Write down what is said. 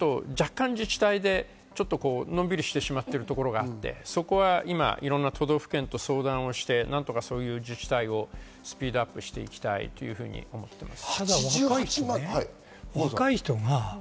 若干自治体でのんびりしてしまってるところがあってそこは今、都道府県と相談して、そういう自治体をスピードアップしていきたいというふうに思っています。